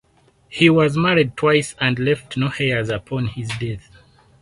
He was married twice and left no heirs upon his death.